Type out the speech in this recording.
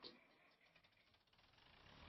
藏蝇子草是石竹科蝇子草属的植物。